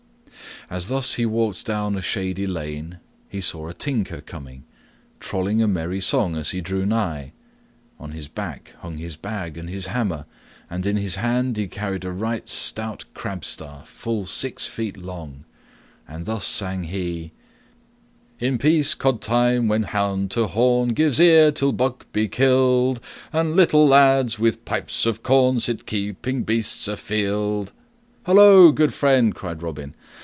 As thus he walked down a shady lane he saw a tinker coming, trolling a merry song as he drew nigh. On his back hung his bag and his hammer, and in his hand he carried a right stout crabstaff full six feet long, and thus sang he: "_In peascod time, when hound to horn Gives ear till buck be killed, And little lads with pipes of corn Sit keeping beasts afield_ " "Halloa, good friend!" cried Robin.